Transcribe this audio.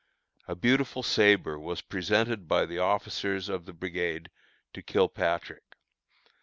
A beautiful sabre was presented by the officers of the brigade to Kilpatrick.